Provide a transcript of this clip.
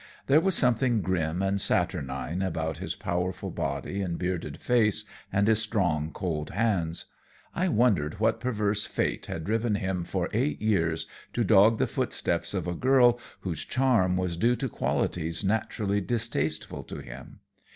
There was something grim and saturnine about his powerful body and bearded face and his strong, cold hands. I wondered what perverse fate had driven him for eight years to dog the footsteps of a girl whose charm was due to qualities naturally distasteful to him.